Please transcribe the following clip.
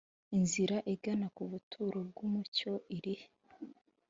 Inzira igana ku buturo bw umucyo iri he